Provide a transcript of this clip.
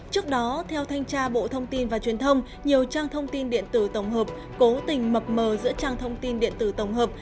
trước đó theo thanh tra bộ thông tin và truyền thông nhiều trang thông tin điện tử tổng hợp cố tình mập mờ giữa trang thông tin điện tử tổng hợp